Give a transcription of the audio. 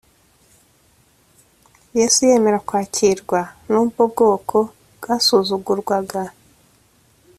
Yesu yemera kwakirwa n’ubwo bwoko bwasuzugurwagwa